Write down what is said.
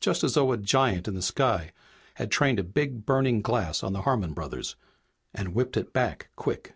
Just as though a giant in the sky had trained a big burning glass on the Harmon brothers and whipped it back quick.